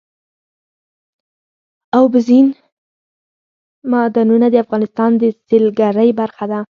اوبزین معدنونه د افغانستان د سیلګرۍ برخه ده.